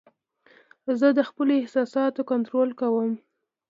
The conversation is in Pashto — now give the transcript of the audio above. زه د خپلو احساساتو کنټرول کوم.